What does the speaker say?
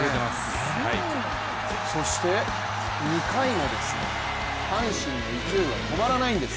そして２回も阪神の勢いは止まらないんです。